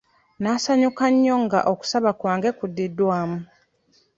Naasanyuka nnyo nga okusaba kwange kuddiddwamu.